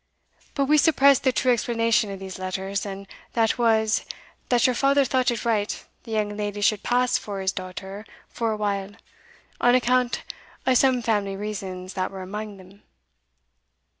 But we suppressed the true explanation of these letters, and that was, that your father thought it right the young leddy should pass for his daughter for a while, on account o'some family reasons that were amang them."